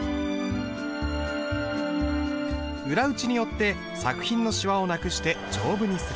裏打ちによって作品のしわを無くして丈夫にする。